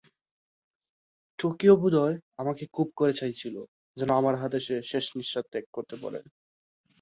তারপর Los Angeles পর্ন শিল্পে মডেল ও অভিনেত্রী সরবরাহকারী "ওয়ার্ল্ড মডেলিং" সংস্থার সভাপতি জিম সাউথের মাধ্যমে এই শিল্পে আসেন।